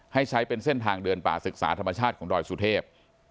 ให้ใช้เป็นเส้นทางเดินป่าศึกษาธรรมชาติของดอยสุเทพ